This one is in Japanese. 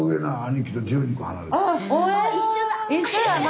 一緒やな。